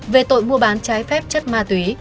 về tội mua bán trái phép chất ma túy